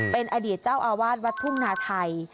เป็นอดีตเจ้าอาวาสวัดทุ่งนาไทย